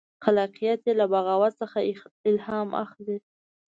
خلاقیت یې له بغاوت څخه الهام اخلي.